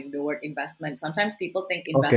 bahwa investasi kadang orang pikir